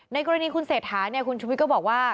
กรณีคุณเศรษฐาเนี่ยคุณชุวิตก็บอกว่า